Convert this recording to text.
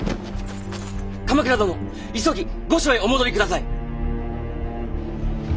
鎌倉殿急ぎ御所へお戻りください。